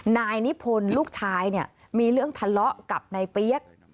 นายนิพนธ์ลูกชายเนี่ยมีเรื่องทะเลาะกับนายเปี๊ยก